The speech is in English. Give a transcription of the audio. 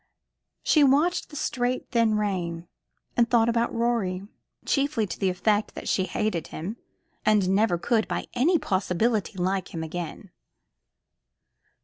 She watched the straight thin rain, and thought about Rorie chiefly to the effect that she hated him, and never could, by any possibility, like him again.